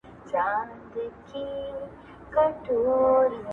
زه غريب خو اوس ايـــلــه جــانـان ته رسېـدلى يـم.